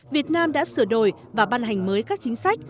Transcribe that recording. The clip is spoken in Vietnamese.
việt nam đã sửa đổi và ban hành mới các chính sách